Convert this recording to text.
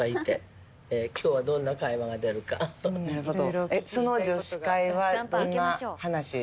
なるほど。